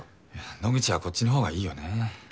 野口はこっちのほうがいいよね。